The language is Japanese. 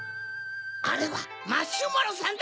あれはマシュマロさんだ！